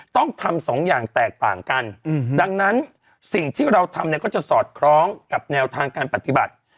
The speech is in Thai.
ต้องทำสองอย่างแตกต่างกันดังนั้นสิ่งที่เราทำเนี่ยก็จะสอดคล้องกับแนวทางการปฏิบัติ